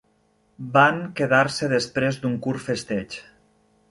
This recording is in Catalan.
Van quedar-se després d'un curt festeig.